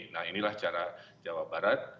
nah inilah cara jawa barat